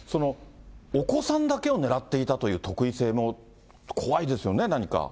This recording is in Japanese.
お子さんだけを狙っていたという特異性も怖いですよね、何か。